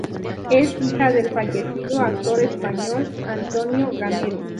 Es hija del fallecido actor español Antonio Gamero